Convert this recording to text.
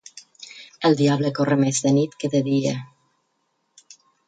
El diable corre més de nit que de dia.